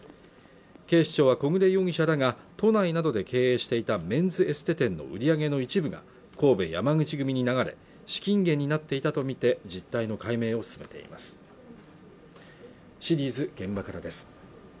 警視庁は小暮容疑者らが都内などで経営していたメンズエステ店の売り上げの一部が神戸山口組に流れ資金源になっていたとみて実態の解明を進めていますシリーズ「現場から」です